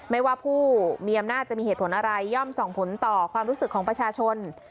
ไม่ว่าผู้มีอำนาจจะมีเหตุผลอะไรย่อมส่งผลต่อความรู้สึกของประชาชน